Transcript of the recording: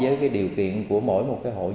phù hợp với điều kiện của mỗi một hộ dân hàng